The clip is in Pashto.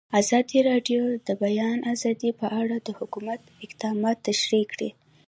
ازادي راډیو د د بیان آزادي په اړه د حکومت اقدامات تشریح کړي.